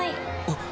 あっ。